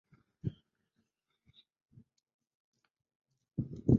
nyingi za mihogo zinajenga sumu ya sianidi ndani yake watu waliozoea kutumia mihogo huwa